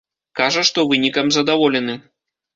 Кажа, што вынікам задаволены.